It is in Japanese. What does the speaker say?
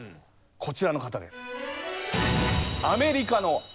こちらの方です。